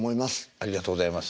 ありがとうございます。